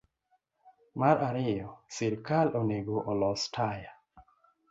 Mar ariyo, sirkal onego olos taya